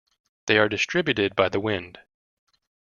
They are distributed by the wind.